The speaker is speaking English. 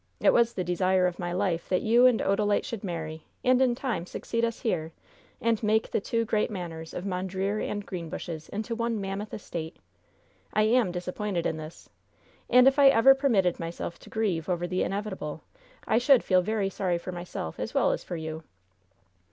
It was the desire of my life that you and Odalite should marry, and in time succeed us here, and make the two great manors of Mondreer and Greenbushes into one mammoth estate. I am disappointed in this. And if I ever permitted myself to grieve over the inevitable, I should feel very sorry for myself as well as for you!"